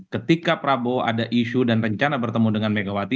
ketika prabowo ada isu dan rencana bertemu dengan megawati